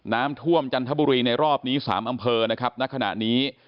น้ำท่วมจันทบุรีในรอบนี้๓อำเภอนะครับณขณะนี้